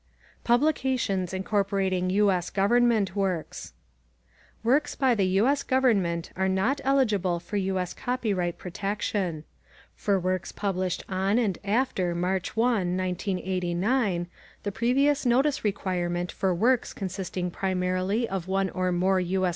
=Publications Incorporating U. S. Government Works= Works by the U. S. Government are not eligible for U. S. copyright protection. For works published on and after March 1, 1989, the previous notice requirement for works consisting primarily of one or more U. S.